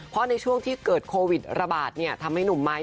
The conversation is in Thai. เพราะในช่วงที่เกิดโควิดระบาดทำให้หนุ่มไม้